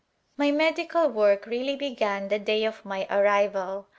My medical work really began the day of my ar rival.